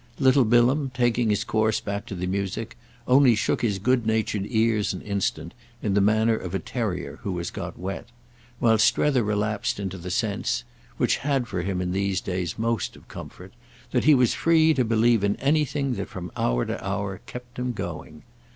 Little Bilham, taking his course back to the music, only shook his good natured ears an instant, in the manner of a terrier who has got wet; while Strether relapsed into the sense—which had for him in these days most of comfort—that he was free to believe in anything that from hour to hour kept him going.